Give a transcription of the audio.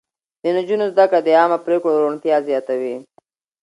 د نجونو زده کړه د عامه پرېکړو روڼتيا زياتوي.